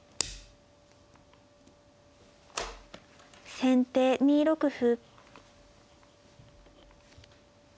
先手２六歩。